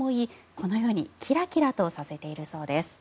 このようにキラキラとさせているそうです。